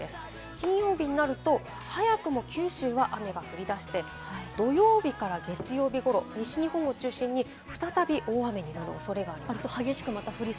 金曜日になると、早くも九州は雨が降り出して、土曜日から月曜日ごろ、西日本を中心に再び大雨になる恐れがあります。